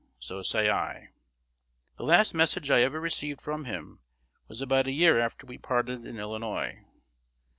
So say I. The last message I ever received from him was about a year after we parted in Illinois.